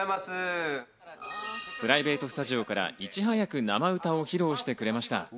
プライベートスタジオからいち早く生歌を披露してくれました。